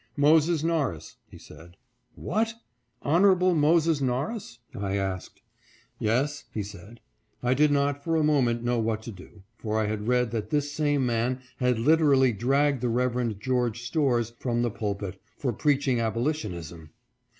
" Moses Norris," he said. " What ! Hon. Moses Norris ?" I asked. " Yes," he answered. I did not, for a moment, know what to do, for I had read that this same man had literally dragged the Reverend George Storrs from the pulpit, for preaching abolitionism.